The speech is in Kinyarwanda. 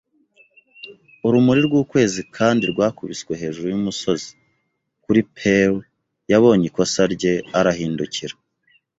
urumuri rw'ukwezi kandi rwakubiswe hejuru yumusozi. Kuri Pew yabonye ikosa rye, arahindukira